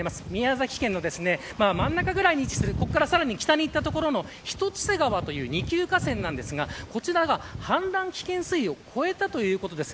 宮崎県の真ん中ぐらいに位置するここからさらに北に行った所の二級河川ですが、こちらは氾濫危険水位を超えたということです。